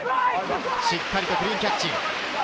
しっかりとクリーンキャッチ。